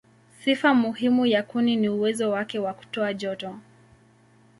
Sifa muhimu ya kuni ni uwezo wake wa kutoa joto.